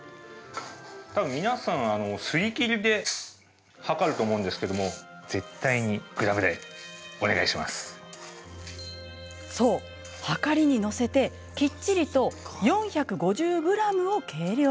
たぶん皆さん、すり切りで量ると思うんですけれどもそう、はかりに載せてきっちりと４５０ｇを計量。